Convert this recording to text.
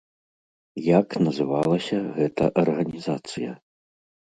Як называлася гэта арганізацыя?